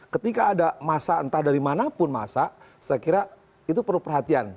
ketika ada masa entah dari manapun masa saya kira itu perlu perhatian